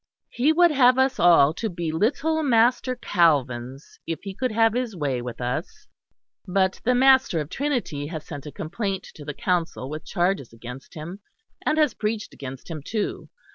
He would have us all to be little Master Calvins, if he could have his way with us. But the Master of Trinity has sent a complaint to the Council with charges against him, and has preached against him too.